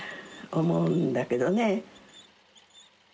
思うんだけどね。